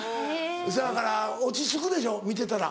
そやから落ち着くでしょ見てたら。